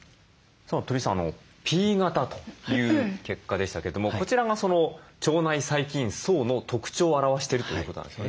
鳥居さんＰ型という結果でしたけれどもこちらがその腸内細菌叢の特徴を表しているということなんですよね。